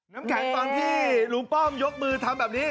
น้ำแข็งตอนที่ลุงป้อมยกมือทำแบบนี้